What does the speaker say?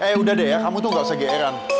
eh udah deh ya kamu tuh gak usah geeran